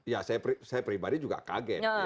ya saya pribadi juga kaget